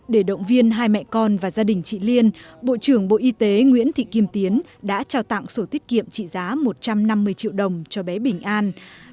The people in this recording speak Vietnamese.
để động viên hai mẹ con và gia đình chị liên bộ trưởng bộ y tế nguyễn thị kim tiến đã trao tặng sổ tiết kiệm trị giá một trăm năm mươi triệu đồng cho bé bình an